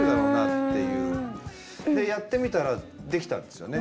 でやってみたらできたんですよね。